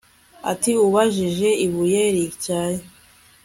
ati ubajishe ibuye rityaye